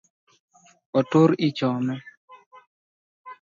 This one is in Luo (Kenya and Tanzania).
Otur ichome